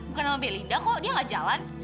bukan sama belinda kok dia gak jalan